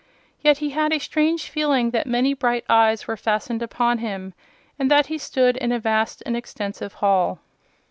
Yet he had a strange feeling that many bright eyes were fastened upon him and that he stood in a vast and extensive hall.